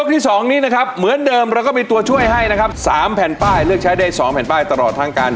อธิษฐ์สุดท้ายสุดท้าย